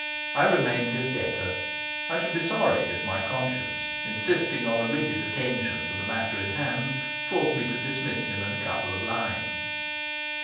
I remained his debtor. I should be sorry if my conscience, insisting on a rigid attention to the matter in hand, forced me to dismiss him in a couple of lines.